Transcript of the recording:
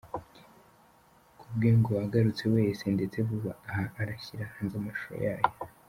Ku bwe ngo agarutse wese ndetse vuba aha arashyira hanze amashusho yayo.